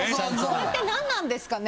それって何なんですかね？